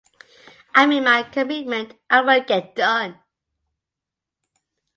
I made my commitment and it will get done.